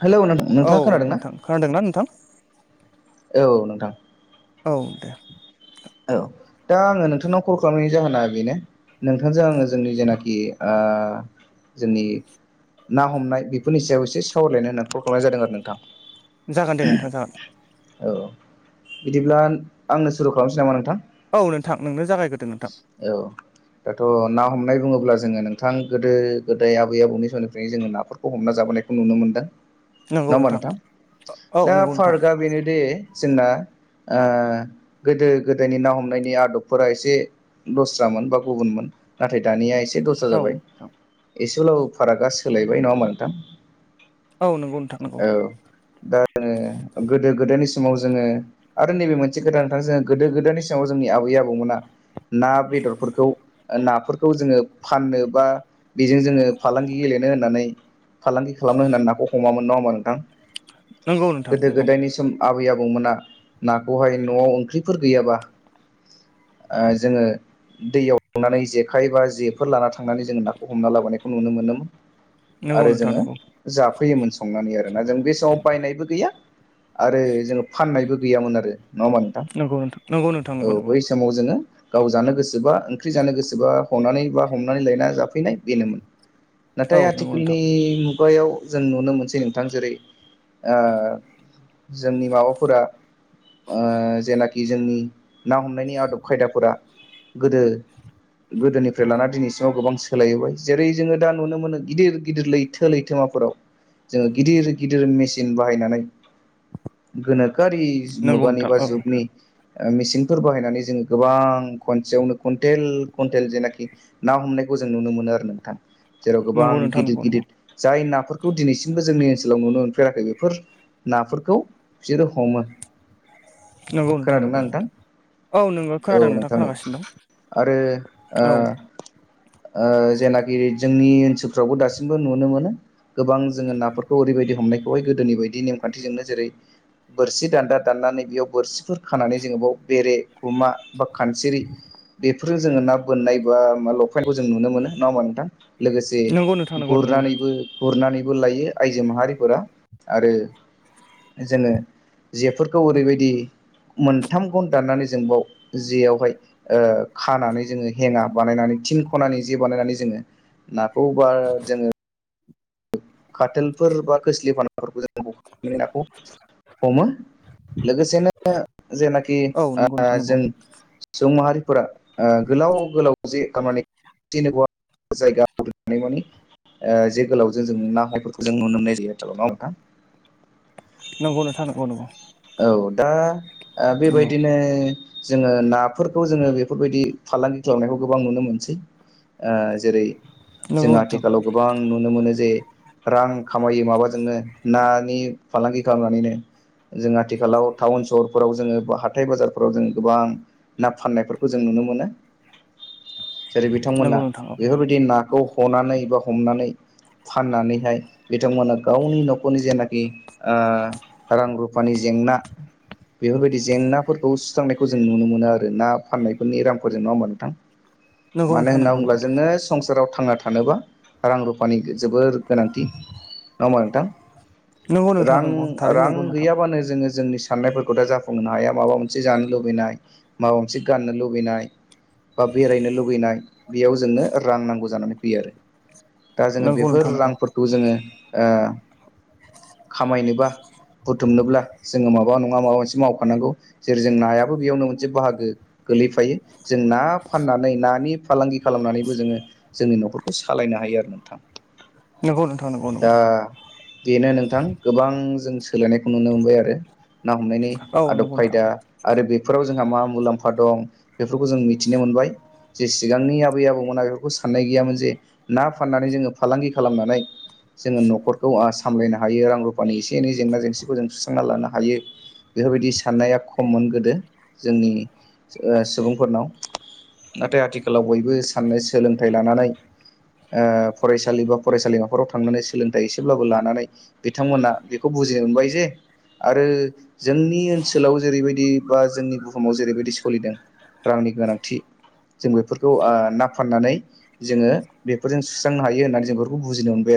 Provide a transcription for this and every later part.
Hello औ नोंथाङा खोनादोंना नोंथां खोनादोंना नोंथां औ नोंथां। औ दे। औ दा आङो नोंथांनाव कल खालामनायनि जाहोना बेनो नोंथांजों आङो जोंनि जेनाखि ओ जोंनि ना हमनाय बेफोरनि सायाव एसे सावरायलायनो होननानै कल खालामनाय जादों आरो नोंथां जागोन दे नोंथां जागोन। औ बिदिब्ला आंनो सुरु खालामनोसै नामा नोंथां? औ नोंथां नोंनो जागायग्रोदो नोंथां। औ दाथ' ना हमनाय बुङोब्ला जोङो नोंथां गोदो गोदाय आबै आबौनि समनिफ्रायनो जोङो नाफोरखौ हमना जाबोनायखौ नुनो मोनदों। नङा होमबा नोंथां औ दा नंगौ नोंथां फारागा बेनोदि जोंना ओ गोदो गोदोनि ना हमनायनि आदबफोरा एसे दस्रामोन बा गुबुनमोन नाथाय दानिया एसे एसे दस्रा औ जाबाय नोंथां एसेब्लाबो फारागा सोलायबाय नङा होमबा नोंथां? औ नंगौ नोंथां नंगौ औ दा गोदो गोदायनि समाव जोङो आरो नैबे मोनसे गोदान नोंथां जों गोदो गोदायनि समाव जोंनि आबै आबौ हमना ना बेदरफोरखौ नाफोरखौ जोङो फाननो बा बेजों जोङो फालांगि गेलेनो होननानै फालांगि खालामनो होननानै नाखौ हमामोन नङा होमबा नोंथां? नंगौ गोदो गोदायनि सम आबै आबौमोना नाखौहाय न'आव ओंख्रि फोर गैयाबा ओ जोङो दैयाव लुनानै जेखाइ बा जेफोर लाना थांनानै जोङो नाखौ हमना लाबोनायखौ नुनो मोनोमोन। आरो नोंथां जोङो नंगौ जाफैयोमोन संनानै आरोना जों बे समाव बायनायबो गैया। आरो जोङो फाननायबो गैयामोन आरो नङा होमा नोंथां? नंगौ नोंथां नंगौ नोंथां औ नंगौ नंगौ। बै समाव जोङो गाव जानो गोसोबा ओंख्रि जानो गोसोबा हनानै बा हमनानै लायना जाफैनाय बेनोमोन। औ नाथाय नंगौ नोंथां आथिखालनि मुगायाव जों नुनो मोनसै नोंथां जेरै ओ जोंनि माबाफोरा ओ जेनाख जोंनि ना हमनायनि आदब खायदाफोरा गोदो गोदोनिफ्राय लानानै दिनैसिमाव गोबां सोलायबोबाय जेरै जोङो दा नुनो मोनो गिदिर गिदिर लैथो लैथोमा मा फोराव जोङो गिदिर गिदिर मेचिन बाहायनानै गोनो खारि नंगौ मुगानि नोंथां बा औ जुगनि ओ मेचिनफोर बाहायनानै जोङो गोबां खनसेयावनो कुइन्टेल कुइन्टेल जेनाखि ना हम नायखौ जों नुनो मोनो ओरो नोंथां जेराव गोबां नंगौ नोंथां गिदिर नंगौ नंगौ गिदिर जाय नाख फोरखौ दिनैसिमबो जोंनि ओनसोलाव नुनो मोनफेराखै बेफोर नाफोरखौ बिसोरो हमो। [inaudible] नंगौ नोंथां नंगौ नंगौ। औ नोंगौ औ खोनादों नोंथां खोनागासिनो आरो आ दं औ ओ जेनाखि जोंनि ओनसोलफ्रावबो दासिमबो नुनो मोनो गोबां जोङो नाफोरखौ ओरैबायदि हमनायखौहाय गोदोनि बायदि नेम खान्थिजोंनो जेरै बोरसि दानदा दाननानै बेयाव बोरसि खानानै जोङो बेयाव बेरे गुमा बा खानसिरि बेफोर बेफोरजों जोङो ना बोननाय बा मा लफायनायखौ जों नुनो मोनो नाङा होमबा नोंथां? लोगोसे नंगौ नोंथां नंगौ नंगौ गुरनानैबो गुरनानैबो लायो आइजो माहारिफोरा। आरो जोङो जेफोरखौ ओरैबायदि मोनथाम गन दाननानै जों बेयाव जेयावहाय ओ खानानै जोङो हेङा बानायनानै नै थिन खनानि जे बानायनानै जोङो नाखौ बा जोङो खाथेलफोर बा खोस्लि फानाफोरखौ जों ब नाखौ हमो। लोगोसेनो जेनाखि औ ओ नंगौ नोंथां नंगौ जों सुबुं माहारि फोरा ओ गोलाव गोलाव जे खामानि जेनेबा जायगा आवग्रिनायमानि ओ जे गोलावजो जों ना हायफोरखौ जों नुनो मोननाय जायो ना होमबा नोंथां? नंगौ नोंथां नोंगौ नोंगौ। औ दा ओ बेबायदिनो जोङो नाफोरखौ जोङो बेफोरबायदि फालांगि खालामनायखौ गोबां नुनो मोनसै। ओ जेरै नंगौ जों नोंथां आथिखालाव गोबां नुनो मोनो जे रां खामायो माबाजोंनो नानि फालांगि खालामनानैनो। जों आथिखालाव टाउन सहरफोराव जोङो बा हाथाय बाजारफोराव जो गोबां ना फाननायफोरखौ जों नुनो मोनो। जेरै बिथांमोना नंगौ नोंथां औ बेफोरबायदि नाखौ हनानै बा हमनानै। फाननानैहाय बिथांमोना गावनि न'खरनि जेनाखि ओ रां रु फानि जेंना बेफोरबायदि जेंनाफोरखौ सुस्रांनायखौ जों नुनो मोनो आरो ना फाननायफोरनि रांफोरजों नङा होमा नोंथां। नंगौ मानो नोंथां होनना नंगौ बुला नंगौ जोङो संसार फोराव थांना थानोबा रां रुफानि जोबोर गोनांथि नङा होमा नोंथां। नंगौ नोंथां रां नंगौ नंगौ थारैनो रां नंगौ नोंथां गैयाबानो जोङो जोंनि साननायफोरखौ दा जाफुंहोनो हाया माबा मोनसे जानो लुबैनाय माबा मोनसे गाननो लुबैनाय। बा बेरायनो लुुबैनाय बेयाव जोंनो रां नांगौ जानानै फैयो आरो दा जोङो नंगौ नोंथां बेफोर नंगौ रांफोरखौ जोङो ओ खामायनोबा। बुथुमनोब्ला जोङो माबा नङा माबा मोनसे मावखानांगौ जेरै जों नायाबो बेयावनो मोनसे बाहागो। गोलैफायो जों ना फाननानै नानि फालांगि खालामनानैबो जोङो जोंनि न'खरखौ सालायनो हायो आरो नोंथां। नंगौ नोंथां नंगौ नंगौ दा बेनो नोंथां गोबां जों सोलायनाय नुनो मोनबाय आरो ना हमनायनि औ आदब नंगौ नोंथां खायदा आरो बेफोराव जोंहा मा मुलाम्फा दं बेफोरखौ जों मिथिनो मोनबाय जे सिगांनि आबै आबौमोना बेफोरखौ साननाय गैयामोन जे ना फाननानै जोङो फालांगि खालामनानै जोङो न'खरखौ सामलायनो हायो रां रुफानि एसे एनै जेंना जेंसिखौ जों सुस्रां लानो हायो बेफोरबायदि साननाया खममोन गोदो जोंनि ओ सुबुंफोरनाव नाथाय आथिखालाव बयबो साननो सोलोंथाइ लानानै। ओ फरायसालि बा फरायसालिमाफोराव थांनानै सोलोंथाइ एसेब्लाबो लानानै बिथांमोना बे खौ बुजि मोनबाय जे आरो जोंनि ओनसोलाव जेरैबायदि बा जोंनि बुहुमाव जेरैबायदि सोलिदों रांनि गोनांथि। जों बेफोरखौ ना फाननानै जोङो बेफोरजों सुस्रांनो हायो होननानै जों बेफोरखौ बुजिनो मोनबाय आरो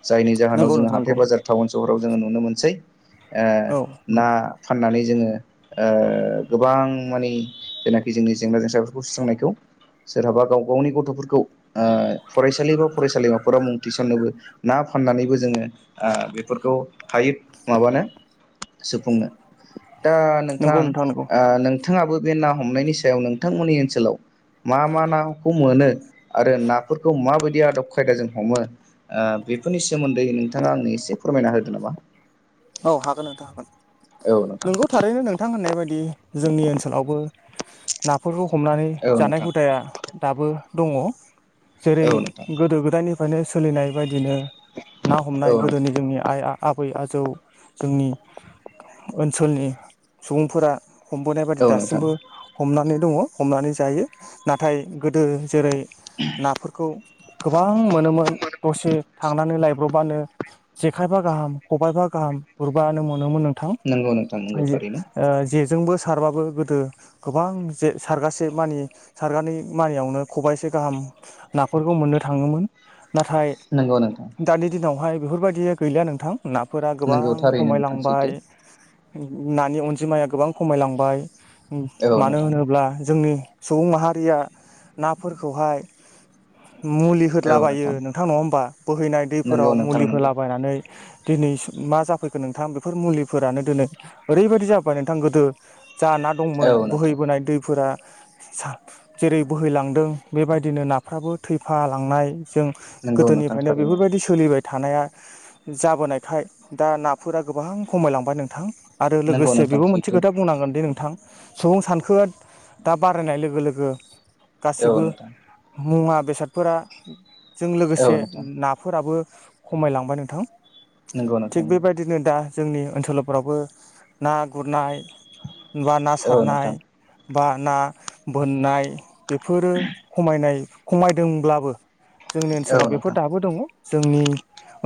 जायनि जाहोनाव नंगौ जोङो नोंथां हाथाय नंगौ बाजार टाउन सहराव जोङो नुनो मोनसै। ओ औ ना नंगौ नोंथां फाननानै जोङो ओ गोबां माने जेना बे जोंनि जेंना जेंगफोरखौ सुस्रांनायखौ। सोरहाबा गाव गावनि गथ'फोरखौ ओ फरायसालि बा फरायसालिमाफोराव मुं थिसन्नोबो ना फाननानैबो जोङो ओ बेफोरखौ हायो माबानो सुफुंनो दा नोंथां नंगौ नंगौ नों ओ नोंथाङाबो बे ना हमनायनि सायाव नोंथांमोननि ओनसोलाव मा मा नाखौ मोनो? आरो नाफोरखौ माबायदि आदब खायदाजों हमो ओ बेफोरनि सोमोन्दै नोंथाङा आंनि एसे फोरमायना होदो नामा? औ हागोन नोंथां हागोन। औ नोंथां नोंगौ थारैनो नोंथां होननाय बायदि जोंनि ओनसोलावबो नाफोरखौ हमनानै औ जानाय नोंथां हुदाया दाबो दङ औ जेरै नोंथां गोदो गोदायनि फायनो सोलिनाय बायदिनो ना हमनाय औ गोदोनि जोंनि आइ आफ आबै आजौ जोंनि ओनसोलनि सुबुंफोरा हमबोनाय बायदि नोंथां औ नोंथां दासिमबो हमनानै दङ हमनानै जायो नाथाय गोदो जेरै नाफोरखौ गोबां मोनोजजमोन दसे थांनानै दसे थांनानै लायब ब्रबानो जेखायबा गाहाम खबायाइफा गाहाम गुरबानो मोनोमोन नोंथां। नंगौ नोंथां नंगौ ओ थारैनो जेजोंबो सारबाबो गोदो गोबां जे सारगासे मानि सारगानै मानियावनो खबाइसे गाहाम नाफोरखौ मोननो थाङोमोन। नाथाय नंगौ नोंथां दानि दिनावहाय बेफोरबायदिया गैलिया नोंथां। नाफोरा गोबां नंगौ थारैनो नोंथां खमायलांबाय सैथो नानि अनजिमाया गोबां खमायलांबाय औ मानो नोंथां होनोब्ला जोंनि सुबुं माहारिया नाफोरखौहाय मुलि होदलाबायो नोंथां नङा होमबा बोहैनाय नंगौ दैफोराव नोंथां मुलि नंगौ होलाबायनानै दिनै मा जाफैखो नोंथां बेफोर मुलिफोरानो दिनै ओरैबायदि जाबोबाय नोंथां गोदो जा ना औ दंमोन नोंथां बोहैबोनाय दैफोरा जेरै बोहैलांदों बेबायदिनो नाफ्राबो थैफालांनाय जों नंगौ नोंथां गोदोनिफ्रायनो थारैनो बेफोरबायदि सोलिबाय थानाया जाबोनायखाय दा नाफोरा गोबां खमायलांबाय नोंथां। आरो नंगौ लोगोसे नोंथां बेबो मोनसे सैथो खोथा बुंनांगोन दि नोंथां सुबुं सानखोया दा बारायनाय लोगो लोगो औ गासिबो नोंथां मुवा बेसादफोरा जों लोगोसे औ नोंथां नाफोराबो खमायलांबाय नोंथां। नंगौ थिग नोंथां बेबायदिनो दा जोंनि ओनसोलफोरावबो ना गुरनाय बा ना औ सारनाय नोंथां बा ना बोननाय बेफोरो खमायनाय खमायदोंब्लाबो जोंनि औ ओनसोलाव बेफोर नोंथां दाबो दङ जोंनि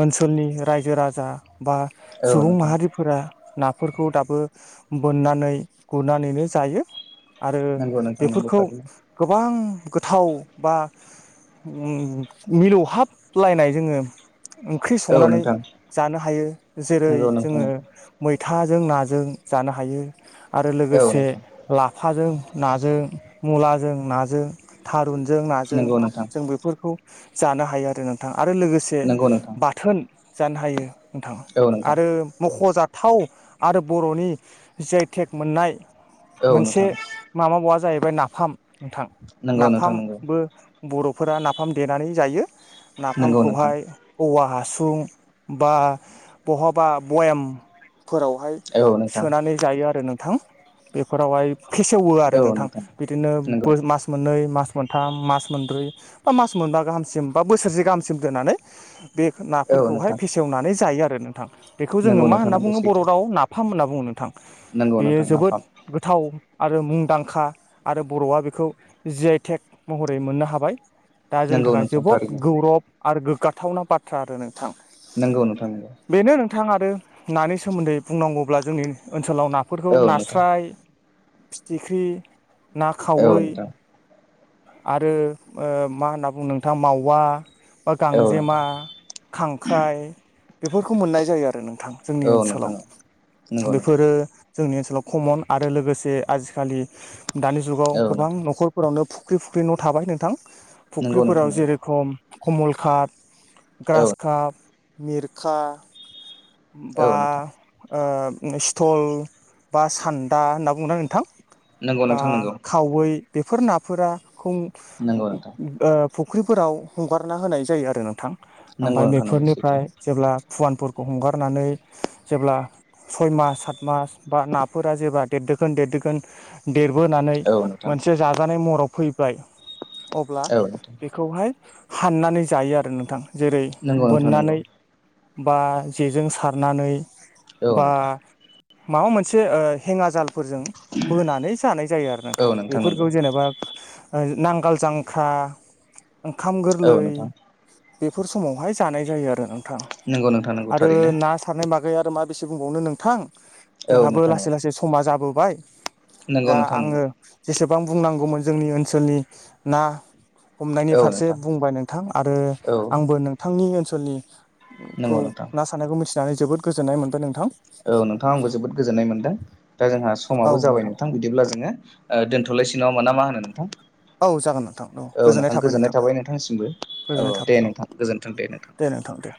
ओनसोलनि रायजो राजा बा औ सुबुं नोंथां माहारिफोरा नाफोरखौ दाबो बोननानै गुरनानैनो जायो आरो नंगौ नोंथां नंगौ बेफोरखौ थारैनो गोबां गोथाव बा उम मिलौहाबलायनाय जोङो ओंख्रि औ संनानै नोंथां जानो हायो जेरै नंगौ नोंथां जोङो नंगौ मैथाजों नाजों जानो हायो आरो औ लोगोसे नोंथां लाफाजों नाजों, मुलाजों नाजों, थारुनजों नाजों नंगौ नोंथां जों बेफोरखौ जानो हायो आरो नोंथां आरो लोगोसे नंगौ नोंथां बाथोन जानो हायो नोंथां औ नोंथां आरो मख'जाथाव आरो बर'नि जि आइ टेग मोननाय औ मोनसे नोंथां माबा बावा जाहैबाय नाफाम नोंथां नंगौ नोंथां नंगौ नाफामबो बर'फोरा नाफाम देनानै जायो नंगौ नोंथां नाफामखौहाय औवा हा सुं बा बहाबा बयाम फोरावहाय औ नोंथां सोनानै जायो आरो नोंथां बेफोरावहाय फेसेवो आरो नोंथां बिदिनो नंगौ बो नोंथां मास मोननै मास मोनथाम मास मोनब्रै बा मास मोनबा गाहामसिम बा बोसोरसे गाहामसिम दोननानै बे औ नाफोरखौहाय नोंथां फेसेवनानै जायो आरो नोंथां बेखौ जोङो नंगौ मा नोंथां होनना नंगौ बुङो बर' सैथो राव नाफाम होनना बुङो नोंथां नंगौ बेयो नोंथां जोबोद नाफाम गोथाव आरो मुंदांखा आरो बर'आ बेखौ जि आइ टेक महरै मोननो हाबाय। दा जोंनि नंगौ थाखाय नोंथां जोबोद थारैनो गौरब आरो गोग्गाथावना बाथ्रा आरो नोंथां। नंगौ नोंथां नंगौ। बेनो नोंथां आरो नानि सोमोन्दै बुंनांगौब्ला जोंनि ओनसोलाव नाफोरखौ औ नोंथां नास्राय फिथिख्रि ना औ खावै नोंथां आरो ओ मा होनना बुङो नोंथाङा मावा बा औ गांजेमा नोंथां खांख्राइ बेफोरखौ मोननाय जायो आरो नोंथां। जोंनि औ ओनसोलाव नोंथां नंगौ नोंथां बेफोरो जोंनि ओनसोलाव खमन आरो लोगोसे आजिखालि दानि जुगाव औ गोबां नोंथां न'खरफोरावनो फु ख्रि फुख्रि न' थाबाय नोंथां नंगौ नोंथां फुख्रिफोराव नंगौ जेरेखम कमल खाट औ ग्रास काप मिरखा बा औ नोंथां ओ उम सिथल बा सान्दा होनना बुङो ना नोंथां नंगौ बा नोंथां नंगौ खावै बेफोर नाफोराखौ नंगौ नोंथां ओ फुख्रिफोराव हगारना होनाय जायो आरो नोंथां। नंगौ आमफाय नोंथां नंगौ सैथो बेफोरनिफ्राय जेब्ला फुवानफोरखौ हंगारनानै जेब्ला सय मास सात मास बा नाफोरा जेबा देरदोगोन देरदोगोन देरबोनानै औ नोंथां मोनसे जाजानाय महराव फैबाय अब्ला औ नोंथां बेखौहाय हाननानै जायो आरो नोंथां जेरै नंगौ नोंथां नंगौ बोननानै बा जेजों सारनानै औ बा नोंथां माबा मोनसे ओ हेंया जाल फोरजों बोनानै जानाय जायो आरो औ नोंथां नंगौ बेफोरखौ जेनेबा ओ नांगाल जांख्रा, ओंखाम औ गोरलै नोंथां बेफोर समावहाय जानाय जायो आरो। नंगौ नोंथां नंगौ। आरो थारैनो ना सारनाय बागै आरो मा बेसे बुंबावनो नोंथां। औ जोंहाबो नोंथां औ लासै लासै समा जाबो बाय, नंगौ दा नोंथां आङो नंगौ जेसेबां बुंनांगौमोन जोंनि ओनसोलनि ना हमनायनि औ फारसे नोंथां बुंबाय नोंथां आरो औ आंबो नोंथांनि ओनसोलनि नंगौ नोंथां। सानायखौ मिथिनानै जोबोद गोजोननाय मोनदों नोंथां। औ नोंथां आंबो जोबोद गोजोननाय मोन्दों। दा जोंहा समाबो जाबाय नोंथां बिदिब्ला जोङो ओ दोनथ'लायसै नङा होनबा ना मा होनो नोंथां? औ नोंथां गोजोननाय थाबाय नोंथांनिसिमबो। औ गोजोननाय थाबाय दे औ नोंथां गोजोनथों दे नोंथां। नोंथां दे।